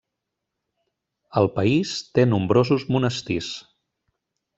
El país té nombrosos monestirs.